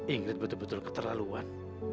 ingrid betul betul keterlaluan